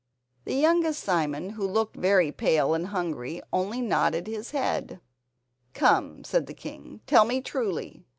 The youngest Simon, who looked very pale and hungry, only nodded his head. "Come," said the king, "tell me truly.